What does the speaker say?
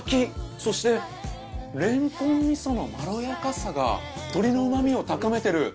そしてれんこん味噌のまろやかさが鶏の旨みを高めてる！